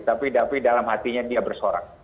tapi dapi dalam hatinya dia bersorak